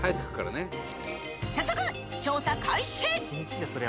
早速調査開始